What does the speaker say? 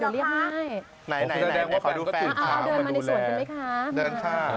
เดินมาในสวนคุ้มไหมคะ